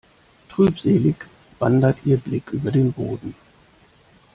Trübselig wandert ihr Blick über den Boden.